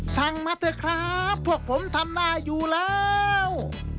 มาเถอะครับพวกผมทำหน้าอยู่แล้ว